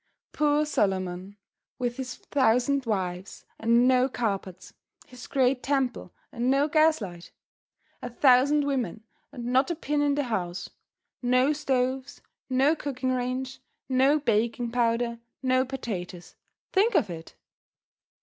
Poor Solomon with his thousand wives, and no carpets, his great temple, and no gas light! A thousand women, and not a pin in the house; no stoves, no cooking range, no baking powder, no potatoes think of it!